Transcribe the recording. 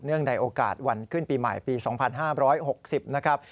ในโอกาสวันขึ้นปีใหม่ปี๒๕๖๐นะครับ